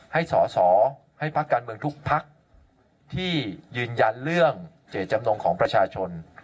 ให้สอสอให้พักการเมืองทุกพักที่ยืนยันเรื่องเจตจำนงของประชาชน